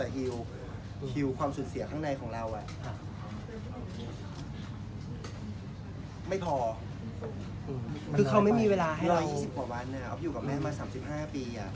๑๒๐ประวัตินาทีอ๊อฟอยู่กับแม่มา๓๕ปี